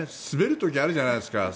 滑る時があるじゃないですか。